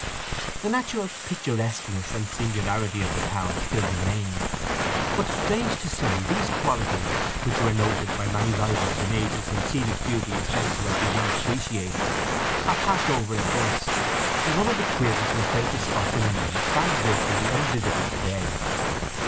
The natural picturesqueness and singularity of the town still remain; but strange to say these qualities, which were noted by many writers in ages when scenic beauty is said to have been unappreciated, are passed over in this, and one of the queerest and quaintest spots in England stands virtually unvisited to day.